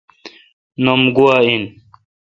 نوم گوا این۔